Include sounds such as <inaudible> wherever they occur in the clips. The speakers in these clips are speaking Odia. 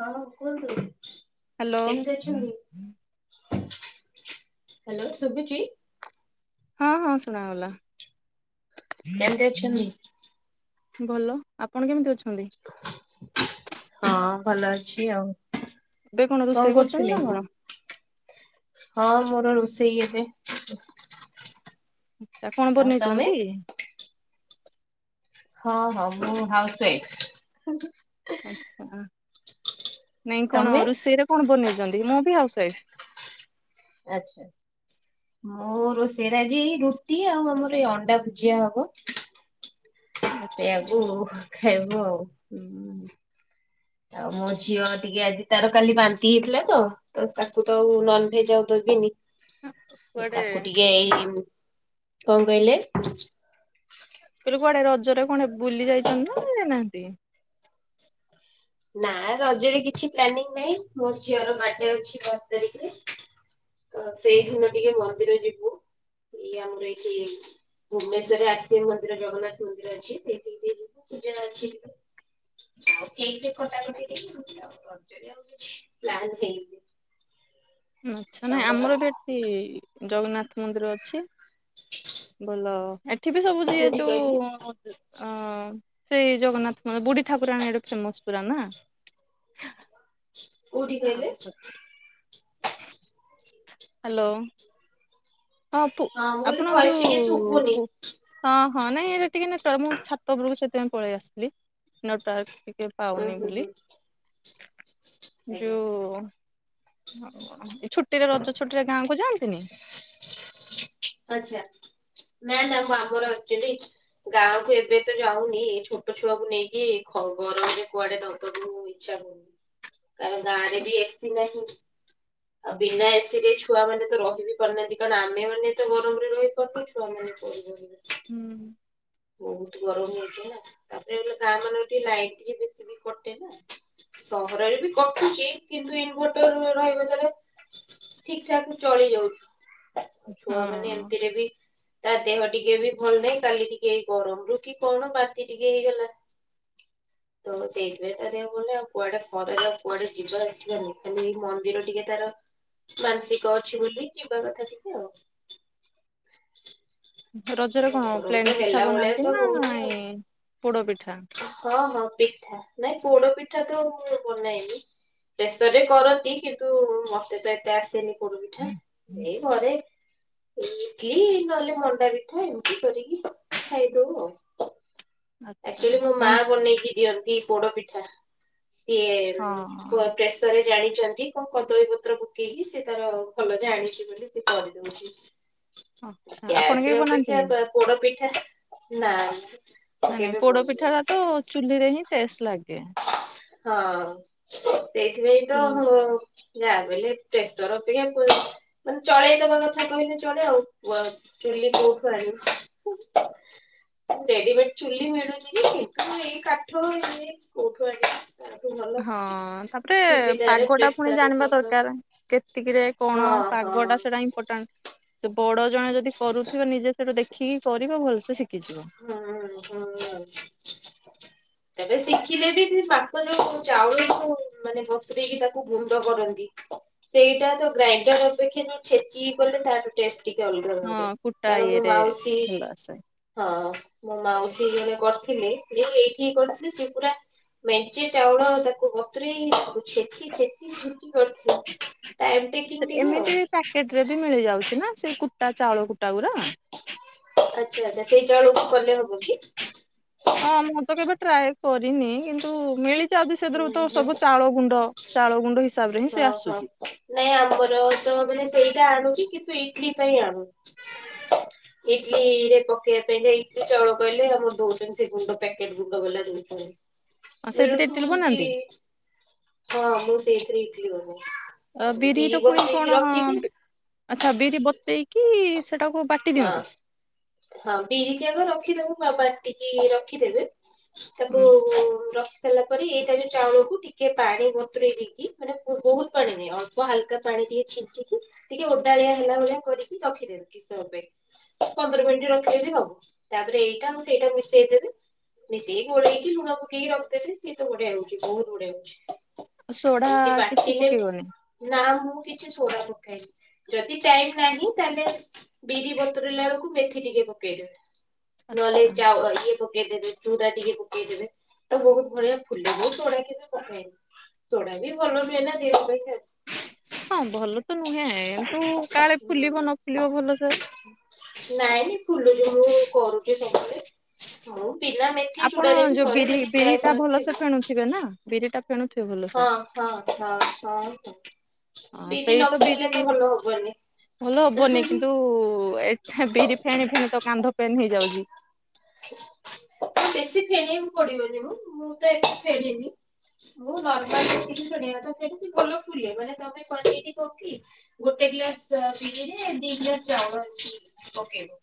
ହଁ କୁହନ୍ତୁ? ହ୍ୟାଲୋ କେମତି ଅଛନ୍ତି ହାଲୋ ଶୁଭୁଛି। ହଁ ହଁ ଶୁଣାଗଲା। କେମିତି ଅଛନ୍ତି? ଭଲ ଆପଣ କେମିତି ଅଛନ୍ତି? ହଁ ଭଲ ଅଛି ଆଉ। ଏବେ କଣ ରୋଷେଇ କରୁଚନ୍ତି ନା କଣ? ହଁ ମୋର ରୋଷେଇ ଏବେ ତାକୁକଣ ଆଉ ତମେ? ବନେଇଚନ୍ତି? ହଁ ହଁ ମୁଁ ହାଉସ୍ ୱାଇଫ୍। ଆଚ୍ଛା ନାଇଁ କଣ ତମେ? ରୋଷେଇରେ କଣ ବନେଇଚନ୍ତି ମୁଁ ବି ହାଉସ୍ ୱାଇଫ୍। ଆଛା। ମୁଁ ରୋଷେଇରେ ଆଜି ରୁଟି ଆଉ ଆମର ଏଇ ଅଣ୍ଡା ଭୁଜିଆ ହବ। ଆଚ୍ଛା। ସେଆକୁ ଖାଇବୁ ଆଉ ହୁଁ। ଆଉ ମୋ ଝିଅ ଟିକେ ଆଜି ତାର କାଲି ବାନ୍ତି ହେଇଥିଲା ତ। ତ ତାକୁ ତ ଆଉ ନନଭେଜ ଆଉ ଦେବିନି। କୁଆଡେ ତାକୁ ଟିକେଏଇ କଣ କହିଲେ? ମୁଁ କହିଲି କୁଆଡେ ରଜରେ କଣ ବୁଲି ଯାଇଚନ୍ତି ନା ଯାଇନାହାନ୍ତି? ନା ରଜରେ କିଛି ପ୍ଲାନିଂ ନାହିଁ ମୋର ଝିଅର ବାଡେ ଅଛି ବାର ତାରିଖରେ। ତ ସେଇଦିନ ଟିକେ ମନ୍ଦିର ଯିବୁ ଇଏ ଆମର ଏଇଠି ଭୁବନେଶ୍ୱରରେ ଆସିବ ମନ୍ଦିର ଜଗନ୍ନାଥ ମନ୍ଦିର ଅଛି ସେଠି ଟିକେ ଯିବୁ ପୂଜା ଅଛି। ଆଉ କେକ୍ କଟାକଟି ଟିକେ ହୋଉଛି ରଜ ରେ ଆଉ କିଛି ପ୍ଲାନ୍ ହେଇନି। ନ ଛନାହି ତମର ଆମର ବି ଏଠି ଜଗନ୍ନାଥ ମନ୍ଦିର ଅଛି। ଭଲ ଏଠି ବି ସବୁ ଯିଏ କୋଉଠି କହିଲେ ଯୋଉ ଅ ସେଇ ଜଗନ୍ନାଥ ମନ୍ଦିର ବୁଢୀ ଠାକୁରାଣୀ ଏଠେ ଫେମସ ପୁରା ନା। କୋଉଠି କହିଲେ? ହ୍ୟାଲୋ। ହାଲୋ। ହଁ ପୁ ମୁଁ କହିଲି ଆପଣ ଭଏସ୍ ଟିକେ ଯୋଉ ଶୁଭୁନି। ଉ ହଁ ହଁ ନାଇଁ ଏଇଟା ଟିକେ ନେଟୱର୍କ ମୁଁ ଛାତ ଉପରକୁ ସେଥିପାଇଁ ପଳେଇ ଆସିଥିଲି ନେଟୱାର୍କ ଟିକେ ଉଁ ପାଉନି ହୁଁ ବୋଲି। ହୁଁ ଆଜ୍ଞା ଯୋଉ ଆଉ କଣ ଛୁଟିରେ ରଜ ଛୁଟିରେ ଗାଁ କୁ ଯାଆନ୍ତିନି? ଆଛା ନା ନା ମୁଁ ଆମ୍ବର ଆଚୁଆଲି ଗାଁ କୁ ଏବେ ତ ଯାଉନି ଏଇ ଛୋଟ ଛୁଆକୁ ନେଇକି ଖ ଗରମରେ କୁଆଡେ ନବାକୁ ଇଛା କରୁନି। କାରଣ ଗାଁ ରେ ବି ଏ ସି ନାହିଁ। ଆଉ ବିନା ଏସି ରେ ଛୁଆ ମାନେ ତ ରହି ବି ପାରୁନାହାନ୍ତି କାରଣ ଆମେ ମାନେ ଏତେ ଗରମରେ ରହିପାରୁିନି ଛୁଆମାନେ କଣ ରହିବେ। ହୁଁ ହୁଁ। ବହୁତ ଗରମ ହେଉଚି ନା, ତାପରେ ଗାଁ ମାନେ ଟିକେ ଲାଇଟ୍ ଟିକେ ବେଶୀ। <unintelligible> କଟେ ନା ସହରରେ ବି କଟୁଛି, କିନ୍ତୁ ଇନଭଟର ରହିବା ଦ୍ଵାରା। ଠିକ୍ ଠାକ୍ ଚଳି ଯାଉଛୁ ଛୁଆ ମାନେ ଏମିତିରେ ବି ତା ଦେହ ଟିକେ ବି ଭଲ ନାହିଁ, କାଲି ଟିକେଇ ଗରମ ରୁ କି କଣ ବାନ୍ତି ଟିକେ ହେଇଗଲା। <inaudible> ତ ସେଇଥିପାଇଁ ତ ଦେହ ଭଲ କୁଆଡେ ସ୍ବାମେଲ କୁଆଡେ ଜିନିଷ <unintelligible> ଖାଲି ମନ୍ଦିର ଟିକେ ତାର କୁଆଡେ ସେକ ଅଛି ବୋଲି ଯିବା କଥା ଟିକେ ଆଉ। ରଜରେ କଣ ପ୍ଲେନ ରୁଟି ପିଠା ହେଲା ଭଳିଆ ବନାନ୍ତି ତ ନା ହଉନି ଏ ପୋଡ ପିଠା ଆଉ-। ହଁ- ହଁ- ପିଠା ନାଇଁ ପୋଡ ପିଠା ତ ମୁଁ ବନାଇନି। ପ୍ରେସ୍ ରେ କରନ୍ତି କିନ୍ତୁ ମତେ ତ ଏତେ ଆସେନି। ପୋଡ ପିଠା ଏଇ ଘରେ ଏଠି ନହେଲେ ମଣ୍ଡା ପି- ମୁଁ ଉଠି କରିକି ସବ୍ ଖାଇଦଉ ଆଉ <unintelligible> ଆଚ୍ଛା ଏକ୍ଚୁଆଲି ମୋ ମନ ମାଁ ବନେଇକି ଦିଅନ୍। ଦିସ୍ ପୋଡ ପିଠା, ଦିଏ ଉଁ ହଁ ପୋ-ପ୍ରେସ୍। ତ ଏଜାଣିଛନ୍ତି କଣ କଦଳୀ ପତ୍ର ପକେଇକି ସେ ତାର କଲର୍ ଆଣିଛନ୍ତି ବୋଲି ସେ କରିଦଉଛି। <inaudible> ଆଚ୍ଛା ଆପଣ ଗ୍ୟାସ୍ କେବେ ରେ ଅପେକ୍ଷା ବନାନ୍ତିନି? ପ-ପୋଡ ପିଠା ନା ମୁଁ ନା-ନା କେବେ ପୋଡ ବନେଇନି। ପିଠା ଟା ତ ଚୁଲିରେ ହିଁ ଟେଷ୍ଟ ଲାଗେ। ହଁ ସେଇଥିପାଇଁ ତ ଚୁଲି ହୁଁ। ଯା ବି ହେଲେ ଟେସର ଅପେକ୍ଷା <unintelligible> ମାନେ ଚଳେଇଦବା କଥା କହିଲେ ଚଳେଇ ଆଉ। ଚୁଲି କୋଉଠୁ ଆାଣିବ ହୁଁ। ରେଡିମେଡ ଚୁଲି ମିଳୁଛି ଯେ, କିନ୍ତୁ ଏ କାଠ ଇଏ କୋଉଠୁ ଆଣିବି। ହଁ ତାପରେ ପାଗ ଟା, ପୁଣି ପ୍ରେସରରେ ଜାଣିବା କରିଦବା। ଦରକାର। କେତିକିରେ କଣ ହଁ ପାଗ ହଁ ଟା ସେଟା ଇମ୍ପୋର୍ଟାଣ୍ଟ। ତ ବଡ ଜଣେ ଯଦି କରୁଥିବେ ନିଜେ ସେଠୁ ଦେଖିକି କରିବ ଭଲସେ ଶିଖିଯିବ। ହୁଁ ହୁଁ ତେବେ ଶିଖିଲେ ବି <unintelligible> ଚାଉଳକୁ ମାନେ ବତରେକି ତାକୁ ଗୁଣ୍ଡ କରନ୍ତି। ସେଇଟା ତ ଗ୍ରାଇଣ୍ଡର ଅପେକ୍ଷା ଯୋଉ ଛେଚି କଲେ ତାଠୁ ଟେସ୍ ଟିକେ ଅଲଗା ହଁ ଧରେ, କୁଟା କାରଣ ମୁଁ ଇଏରେ ମାଉସୀ। ଭଲ ଆସେ ହଁ ମୋ ମାଉସୀ ଜଣେ କରିଥିଲେ, ଯେ ଏଇଠିି କରିଥିଲେ ସେ ପୁରା। ମେଞ୍ଚେଇ ଚାଉଳ ତାକୁ ବତେରେଇ ଛେଚି ଛେଚି କର ଟାଇମ୍ ଟେଙ୍ଗ୍ଟିକେ ଏମିତି ହୁଅ। ପ୍ୟାକେଟ ରେ ବି ମିଳି ଯାଉଛି ନା, ସେଇ କୁଟା ଚାଉଳ କୁଟା ଗୁରା। ଆଚ୍ଛା ଆଚ୍ଛା, ସେଇ ଚାଉଳ କୁକୁରରେ ହବ କି? ହଁ ମୁଁ ତ କେବେ ଟ୍ରାଏ କରିନି, କିନ୍ତୁ ମିଳିଛେ ଆଉରି ସେଥିରୁ ହୁଁ ତ ହୁଁ ସବୁ ଚାଉଳ ଗୁଣ୍ଡ। ଚାଉଳ ଗୁଣ୍ଡ ହିସାବରେ ହିଁ ସେ ହଁ ହଁ। ଆସୁଛି। ନାଇଁ ଆମର ତ ମାନେ ସେଇଟା ଆଣୁଛିି କିନ୍ତୁ ଇଟଲି ପାଇଁ ଆଣୁ। <inaudible> ଇଟଲି ରେ ପକେଇବା ପାଇଁ ଯେ ଇଟଲି ଚାଉଳ କହିଲେ, ଆମର ଦଉଛନ୍ତି ସେ ଗୁଣ୍ଡ ପ୍ୟାକେଟ ଗୁଣ୍ଡ ଗୋଲା ଆଉ ଦଉଛନ୍ତ। ସେଥିରେ ଇଟିଲି ମିଳୁଥିବ ଏମତି ବନାନ୍ତି ହଁ ମୁଁ ସେଇଥିରେ ଇଟିଲି ବନାଏ। ଅ ବିରି ବିରିର ପୁଣି ବସେଇକି କଣ? ରଖିଦିଏ। ଆଚ୍ଛା ବିରି, ବତେଇକି ସେଟାକୁ ବାଟି ହଁ ଦିଅନ୍ତି। ହଁ ବିରିକି ଆଗ ରଖିଦବ ବା ବାଟିକି ରଖିଦେବେ। ତାକୁ ରଖି ସାରିଲା ପରେ ଏଇଟା ଯୋଉ ଚାଉଳକୁ ଟିକେ ପାଣି ବତୁରେଇ ଦେଇକି ମାନେ ବହୁତ୍ ପାଣି ନାହିଁ, ଅଳ୍ପ ହାଲ୍କା ପାଣି ଟିକେ ଛିଞ୍ଚିକି ଟିକେ ଓଦାଳିଆ ହେଲା ଭଳିଆ କରିକି ରଖିଦେବି କିଛି ସମୟ ପାଇଁ, ପନ୍ଦର ମିନିଟ୍ ରଖିଲେ ବି ହବ। ତାପରେ ଏଇଟା ମୁଁ ସେଇଟା ମିଶେଇଦେବି ମିସେଇ ଗୋଳେଇକି ଲୁଣ ପକେଇକି ରଖଦେବେ ସିଏ ତ ବଢିଆ ହଉଚି, ବହୁତ୍ ବଢିଆ ହଉଚି। ସୋଢା ଏମ୍ତି କିଛି ବାଟିଲେ, ପକେଇବନି? ନାଁ ମୁଁ କିଛି ସୋଡା ପକାଏନୀ। ଯଦି ଟାଇମ୍ ଲାଗେ ତାହେଲେ ବିରି ବତୁରେଇଲା ବେଳୁକୁ ମେଥି ଟିକେ ପକେଇଦେବେ। ନହେଲେ ଆଚ୍ଛା <unintelligible> ଇଏ ପକେଇଦେବେ ଚୁଡ଼ା ଟିକେ ପକେଇଦେବେ, ତ ବହୁତ୍ ବଢିଆ ଫୁଲେ, ମୁଁ ସୋଡା କେବେ ପକାଏନି। ସୋଢ଼ା ବି ଭଲ ନୁହେଁ ନା, ଦେହ ପାଇଁ କ୍ଷ ହଁ ଭଲ ତ ନୁହେଁ, କିନ୍ତୁ କାଳେ ଫୁଲିବ ନ ଫୁଲିବ ଭଲସେ। ନାଇଁ ନାଇଁ ଫୁଲୁଚି, ମୁଁ କରୁଚି ସବୁବେଳେ ମୁଁ ବିନା ମେଥି ଆପଣ ସୋଢ଼ାରେ ବି ଯୋଉ କରେ, ବିରି ଯଦି ଟାଇମ୍ ବିରିଟା ଭଲସେ ନଥିବ <unintelligible> ନା, ବିରିଟା ଫେଣୁଥିବ ଭଲ। ହଁ-ହଁ-ହଁ-ହଁ-ହଁ ହଁ ବିରି ସେଇ ନ ତ ବିରି ଫେଣିଲେ ତ ଭଲ ହବନି। ଭଲ ହବନି କିନ୍ତୁ ଏ ବିରି ଫେଣି-ଫେଣି ତ କାନ୍ଧ ପେନ୍ ହେଇଯାଉଚି। ବେଶୀ ଫେଣେଇବାକୁ ପଡିବନି ମ, ମୁଁ ତ ଏ ଫେଣେଏନି। ମୁଁ ନର୍ମାଲ ଯେତିକି ଫେଣେଇବା କଥା ଫେଣେ, ସେ ଭଲ ଫୁଲେ ମାନେ ତମେ କ୍ୱାଣ୍ଟିଟି <unintelligible> କି ଗୋଟେ ଗ୍ଲାସ୍ ବିରିରେ ଦି ଗ୍ଲାସ୍ ଚାଉଳ ଅଛି। ପକେଇବ,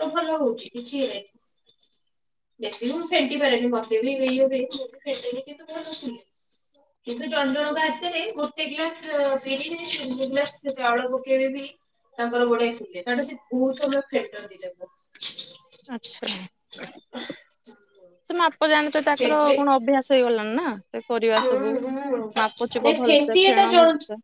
ତ ଭଲ ହଉଛି କିଛି ନାହିଁ। ବେଶୀ ବି ମୁଁ ଫେଣ୍ଟି ପାରେନି ମତେ ବି ଇଏ ହୁଏ <inaudible> କିନ୍ତୁ ଜଣ ଜଣଙ୍କ ହାତେରେ ଗୋଟେ ଗ୍ଲାସ୍ ବିରି ରେ ଦି ଗ୍ଲାସ୍ ଚାଉଳ ପକେଇବେ ବି ତାଙ୍କର ବଢିଆ ଫୁଲେ, କାରଣ ସେ ବହୁତ୍ ସମୟ ଫେଣ୍ଟନ୍ତି ତାକୁ। ଆଚ୍ଛା, ସେ ମାପ ଜାଣିଥିବେ, ତାଙ୍କର ଫେଣ୍ଟିଲେ କଣ ଅଭ୍ୟାସ ହେଇଗଲଣି ନା, ସେ କରିବା ସବୁ ହୁଁ ହୁଁ ନାଇଁ ମାପଚୁପ ଭଲସେ ଫେଣ୍ଟିବା ଟା ଫେଣ ଜଣୁ ଭଲସେ।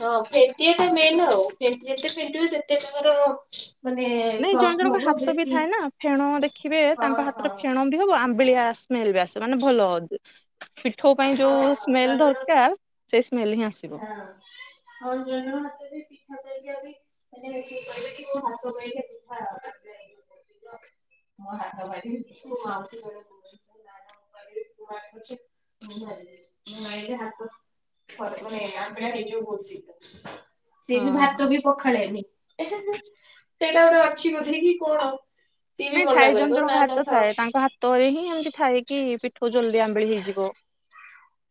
ହଁ ଫେଣ୍ଟିବା ଟା ମେନ୍ ଆଉ, ଯେତେ ଫେଣ୍ଟିବ ସେତେ ତମର ମାନେ ନାଇଁ ଜଣେ ସଫ୍ଟ ଜଣଙ୍କ ହବ, ହାତ ବି ବେଶୀ ଥାଏ ନା ଫେଣ ଦେଖିବେ ହଁ ତାଙ୍କ ହାତରେ ହଁ ଫେଣ ବି ହବ, ଆମ୍ବିଳିଆ ସ୍ମେଲ୍ ବି ଆସିବ ମାନେ ଭଲ ପିଠୋଉ ପାଇଁ ଯୋଉ ହଁ ସ୍ମେଲ୍ ଜଣେ ଦରକାର୍ ସେ ସ୍ମେଲ ହିଁ ଆସିବ। ହଁ <inaudible> <inaudible> ମୋ ହାତ <inaudible> <inaudible> <inaudible> ସିଏ ବି ହଁ ହଁ ଭାତ ବି ପଖାଳେନି, ଏଁହେଁ-ହେଁ ସେଇଟା <unintelligible> ଅଛି ବୋଧେ କିି କଣ। ସିଏ ବି ନାଇଁ ମନା ଥାଏ କରେ ଜଣ କହିବ ଜଣଙ୍କ ନା ନା ହାତ ଥାଉ। ଥାଏ ତାଙ୍କ ହାତରେ ହିଁ ଏମ୍ତି ଥାଏ କି ପିଠଉ ଜଲଦି ଆମ୍ୱିଳି ହେଇଯିବ।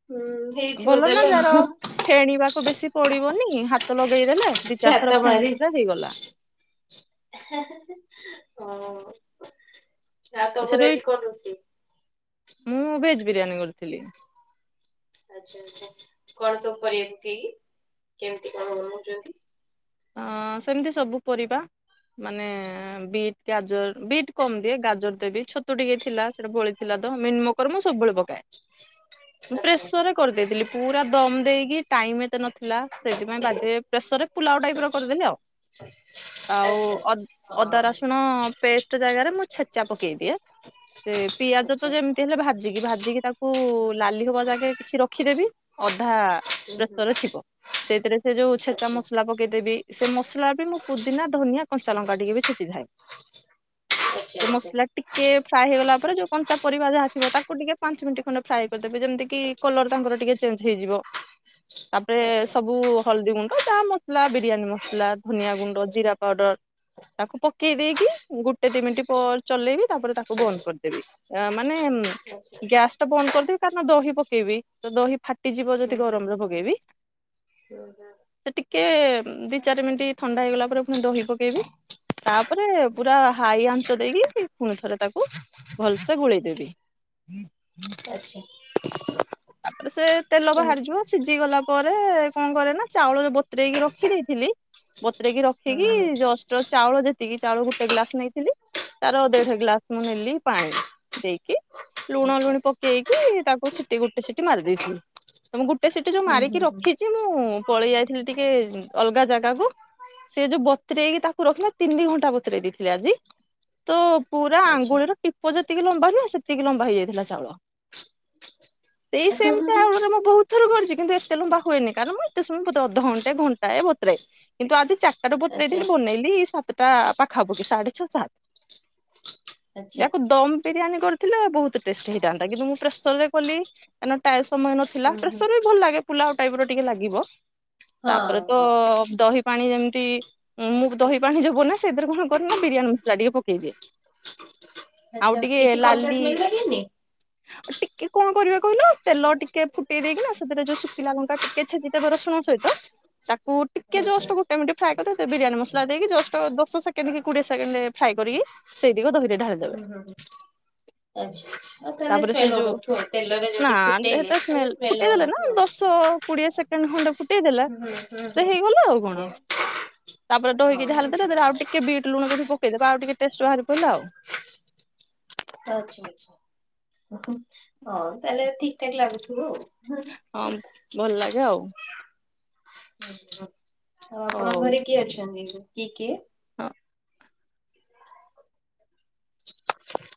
ହୁଁ ହେଇଥିବ ଭଲ ନା ଯାର ତାହେଲେ ଫେଣିବା କୁ ବେଶୀ ପଡିବନି ହାତ ଲଗେଇ ଦେଲେ ଦି ସେ ହାତ ଚାରିଥର ମାରି ଫେଣିଦେଲେ ହେଇଗଲା। ହଁ, ଆଉ ସେଠୁ ତମର ଏଇ ଆଜି କଣ ରୋଷେଇ? ମୁଁ ଭେଜ୍ ବିରିୟାନୀ କରିଥିଲି। ଆଚ୍ଛା, କଣ ସବୁ ପରିବା ପକେଇକି କେମ୍ତି କଣ ବନଉଚନ୍ତି? ଅଁ ସେମ୍ତି ସବୁ ପରିବା ମାନେ ବିଟ୍ ଗାଜର୍ ବିଟ୍ କମ୍ ଦିଏ ଗାଜର ଦେବି ଛତୁ ଟିକେ ଥିଲା ସେଟା <unintelligible> ଥିଲା ତ <unintelligible> ମୁଁ ସବୁବେଳେ ପକାଏ, ଆଚ୍ଛା ପ୍ରସରରେ କରିଦେଇଥିଲି ପୁରା ଦମ୍ ଦେଇକି ଟାଇମ୍ ଏତେ ନଥିଲା ସେଥିପାଇଁ ବାଧ୍ୟ ହେଇକି ପ୍ରେସରରେ ପୁଲାଉ ଟାଇପ୍ ର କରିଦେଲି ଆଉ ଆଚ୍ଛା। ଆଉ ଅଦା ହଁ ରସୁଣ। ପେଷ୍ଟ ଜାଗାରେ ମୁଁ ଛେଚା ପକେଇଦିଏ। ସେ ପିଆଜ ତ ଆଚ୍ଛା ଯେମିତି ହେଲେ ଭାଜିକି ଭାଜିକି ତାକୁ ଲାଲି ହବା ଯାଏ କିଛି ରଖିଦେବି। ଅଧା ହୁଁ ହୁଁ ପ୍ରେସରରେ ଥିବ ସେଥିରେ ସେ ଯୋଉ ଛେଚା ଆଚ୍ଛା। ମସଲା ପ- କେଇଦେବି ସେ ମସଲା ବି ମୁଁ ପୁଦିନା, ଧନିଆ, କଞ୍ଚା ଲଙ୍କା ଟିକେ ବି ଛେଚି ଥାଏ। ଆଚ୍ଛା ମସଲା ଟିକେ ଫ୍ରା ହେଇଗଲା ପରେ ଯୋଉ କଞ୍ଚା ପରିବା ଯାହା ଥିବ ତାକୁ ଟିକେ ପାଞ୍ଚ ମିନିଟ ଖଣ୍ଡ ଫ୍ରାଏ କରିଦେବେ ଯେମିତି କିି। କଲର ତାଙ୍କର ଟିକେ ଚେଞ୍ଜ ହେଇଯିବ ତାପରେ ଆଚ୍ଛା ସବୁ ହଳଦୀ ଗୁଣ୍ଡ ଯାହା ମ। ସଲା ବିରିୟାନୀ ମସଲା, ଧନିଆ ଗୁଣ୍ଡ, ଜିରା ପାଉଡର। ତାକୁ ପକେଇ ଦେଇକି ଗୋଟେ ଦି ମିନିଟ ପରେ ଚଲେଇବି ତାପରେ ତାକୁ ବନ୍ଦ କରିଦେବି। ଅଁ ମାନେ ଆଚ୍ଛା। ଗ୍ୟାସ ଟା ବନ୍ଦ କରିଦେବି କାରଣ ଦହି ପକେଇବି ତ ଦହି ଫାଟିଯିବ ହୁଁ ଯଦି ହୁଁ ଗରମରେ ପକେଇବି। <unintelligible> କିଏ ଦି ଚାରି ମିନିଟ୍ ଥଣ୍ଡା ହେଇଗଲା ପରେ ପୁଣି ଦହି ପକେଇବି। ତାପରେ ପୁରା ହାଇ ଆଂଞ୍ଚ ଦେଇକି ପୁଣି ଥରେ ତାକୁ। ଭଲସେ ଗୋଳେଇଦେବି। ଆଚ୍ଛା ତାପରେ ସେ ତେଲ ହୁଁ ବାହାରିଯିବ ସିଝି ଗଲା ପରେ କଣ କରେ ନା ଚାଉଳ ବତରେଇକି ରଖି ଦେଇଥିଲି। ବତୁରେଇକି ରଖିକି ହୁଁ ଜଷ୍ଟ ଚାଉଳ ଯେତିକି ଚାଉଳ ଗୋଟେ ଗ୍ଲାସ ନେଇଥିଲି। ତାର ଦେଢ ଗ୍ଲାସ ମୁଁ ନେଲି ପାଣି। ଦେଇକି ଲୁଣ ଆଚ୍ଛା। ଲୁଣି ପକେଇକି ତାକୁ ସିଟି ଗୋଟେ ସିଟି ମାରି ଦେଇଥିଲି। ତ ମୁଁ ଗୋଟେ ସିଟ ଯୋଉ ହୁଁ ମାରିକି ହୁଁ ହୁଁ ରଖିଛି ମୁଁ ପଳେଇ ଯାଇଥିଲି ଟିକେ ଅଲଗା ଜାଗାକୁ। ସେ ଯୋଉ ବତରେଇକି ତାକୁ ରଖିଲ ତିନି ଘଣ୍ଟା ବତୁରେଇ ଦେଇଥିଲି ଆଜି। ତୋ ପୁରା ଆଚ୍ଛା ଆଙ୍ଗୁଳିର ଟିପ ଯେତିକି ଲମ୍ବା ନୁହଁ ସେତିକି ଲମ୍ବା ହେଇଯାଇଥିଲା ଚାଉଳ। ସେଇ ସେମ୍ ଚାଉଳରେ ମୁଁ ବହୁତ ଥର କରିଛି କିନ୍ତୁ ଏତେ ଲମ୍ବା ହୁଏନି କାରଣ ମୁଁ ଏତେ ସମୟେ ଅଧଘଣ୍ଟେ ଘଣ୍ଟା ଏ ବତୁରା ଏ। କିନ୍ତୁ ଆଜି ଚାରିଟାରୁ ଆଚ୍ଛା ବତୁରେଇଲି ବନେଇଲି ସାତଟା ପାଖା ପାଖି ସାଢେ ଛଅ ସାତ। ଆଚ୍ଛା ୟାକୁ ଦମ ବିରିୟାନୀ କରିଥିଲେ ବହୁତ ଟେଷ୍ଟ ହେଇଥାନ୍ତା କିନ୍ତୁ ମୁଁ ପ୍ରେସରରେ କଲି। କାରଣ ଟାଏ ସମୟ ନଥିଲା ହୁଁ ହୁଁ। ପ୍ରେସର ବି ଭଲ ଲାଗେ ପୁଲାପ୍ ଟାଇପ୍ ର ଟିକେ ଲାଗିବ। ତାପରେ ହଁ ତ ହଁ ଦହି ପାଣି ଯେମିତି। ମୁଁ ଦହି ପାଣିରେ ବନାଏ ସେଥିରେ କଣ କରେ ନା ବିରିୟାନୀ ମସଲା ଟିକେ ପକେଇଦିଏ। ଆଉ ଆଚ୍ଛା ଟିକେ କିଛି କଞ୍ଚା ଲାଲି ସ୍ମେଲ ଲାଗେନି ଆ ଟିକେ କଣ କରିବା। କହିଲ ତେଲ ଟିକେ ଫୁଟେଇ ଦେଇକି ନା ସେଥିରେ ଯୋଉ ଶୁଖିଲା ଲଙ୍କା ଟିକେ ଛେଚିଦେବେ ରସୁଣ ସହିତ। ତାକୁ ଟିକେ ଆଚ୍ଛା। ଜଷ୍ଟ ଗୋଟେ ମିନିଟ୍ ଫ୍ରାଏ କରି ବିରିୟାନୀ ମସଲା ଦେଇକି ଜଷ୍ଟ ଦଶ ସେକେଣ୍ଡ କି କୋଡିଏ ସେକେଣ୍ଡ୍। ଫ୍ରାଏ କରିକି ସେଇତିକ ଦହିରେ ଢାଳିଦବେ। ହଁ ଆଛା ଆଉ ତାହେଲେ ତାପରେ ସେ ସ୍ମେଲ ଯୋଉ ହଉନଥିବ ତେଲରେ ନା ଯଦି ଫୁଟେଇଲେ ହେଟା ତାହେଲେ ଫୁଟେଇ ସ୍ମେଲ ଦେଲେ ନା ହଉନଥିବ। ଦଶ କୋଡିଏ ସେକେଣ୍ଡ ଖଣ୍ଡେ ଫୁଟେଇ ଦେଲା ହୁଁ ହୁଁ ହୁଁ ହୁଁ ସେ ହେଇଗଲା ଆଉ କଣ। ଆଜ୍ଞା ତାପରେ ଦହିକି ହଁ ଦେଲେ ଆଉ ଟିକେ ବିଟ୍ ଲୁଣ ଯଦି ପକେଇଦବା ଆଉ ଟିକେ ଟେଷ୍ଟ ବାହାରି ପଡିଲା ଆଉ। ଆଚ୍ଛା ଆଚ୍ଛା ହଉ ତାହେଲେ ଠିକ୍ ଠାକ୍ ଲାଗୁଥିବ ଆଉ। ହୁଁ, ହଁ ଭଲ ଲାଗେ ଆଉ। ଓଃ ଆଉ ଆପଣଙ୍କ ଘରେ କିଏ ଅଛନ୍ତି କିଏ କିଏ। ହଁ।